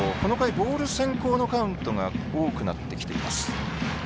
ボール先行のカウントが多くなってきています。